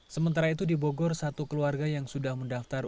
sementara itu di bogor satu keluarga yang sudah mendaftar